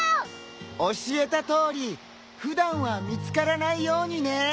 教えたとおり普段は見つからないようにね！